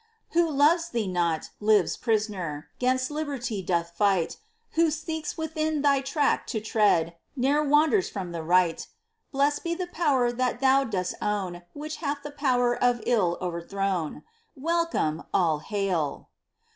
Who loves thee not, lives prisoner, 'Gainst liberty doth fight ! Who seeks within thy track to tread. Ne'er wanders from the right. Blest be the power that thou dost own Which hath the power of ill o'erthrown ! Welcome, all hail